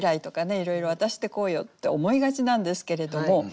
いろいろ「私ってこうよ」って思いがちなんですけれども